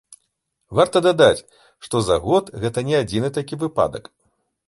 Варта дадаць, што за год гэта не адзіны такі выпадак.